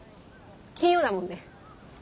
金曜だもんね。